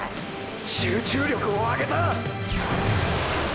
集中力をあげたァ！！